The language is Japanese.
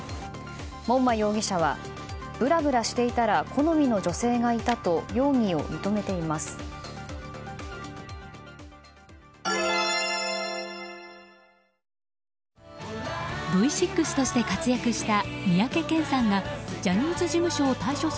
門馬容疑者はぶらぶらしていたら好みの女性がいたと容疑を認めています。